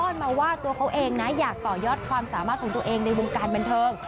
มาว่าตัวเขาเองนะอยากต่อยอดความสามารถของตัวเองในวงการบันเทิง